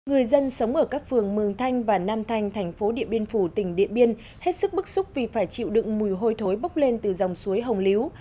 người dân sống ở các phường mường thanh và nam thanh thành phố điện biên phủ tỉnh điện biên hết sức bức xúc vì phải chịu đựng mùi hôi thối bốc lên từ dòng suối hồng liếu